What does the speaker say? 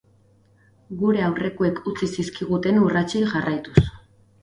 Gure aurrekoek utzi zizkiguten urratsei jarraituz.